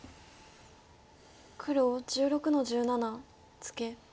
黒１６の十七ツケ。